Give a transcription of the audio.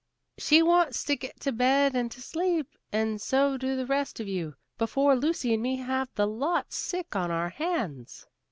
"She wants to get to bed and to sleep, and so do the rest of you, before Lucy and me have the lot sick on our hands."